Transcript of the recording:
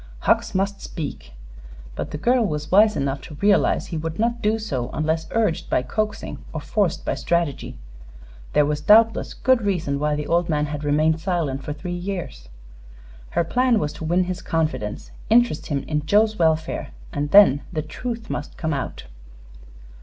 Hucks must speak; but the girl was wise enough to realize that he would not do so unless urged by coaxing or forced by strategy. There was doubtless good reason why the old man had remained silent for three years. Her plan was to win his confidence. Interest him in Joe's welfare, and then the truth must come out.